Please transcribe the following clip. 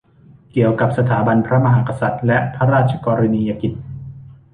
เกี่ยวกับสถาบันพระมหากษัตริย์และพระราชกรณียกิจ